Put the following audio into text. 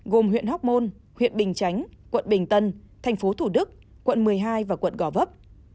gồm huyện hóc môn huyện bình chánh quận bình tân thành phố thủ đức quận một mươi hai và quận gò vấp